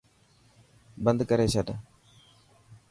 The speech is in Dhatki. بند ڪري ڇڏ.